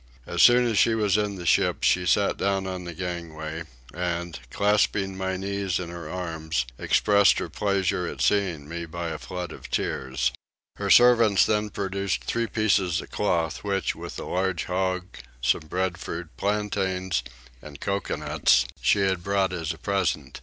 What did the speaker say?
As soon as she was in the ship she sat down on the gangway and, clasping my knees in her arms, expressed her pleasure at seeing me by a flood of tears. Her servants then produced three pieces of cloth which, with a large hog, some breadfruit, plantains, and coconuts, she had brought as a present.